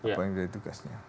apa yang jadi tugasnya